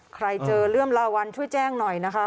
ใครเจอเรื่องลาวันช่วยแจ้งหน่อยนะคะ